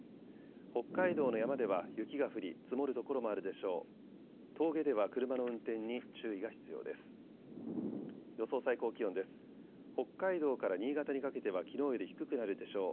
北海道の山では雪が降り積もる所もあるでしょう。